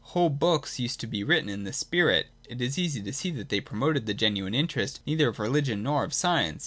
Whole books used to be written in this spirit. It is easy to see that they promoted the genuine interest neither of religion nor of science.